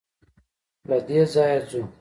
له دې ځايه ځو.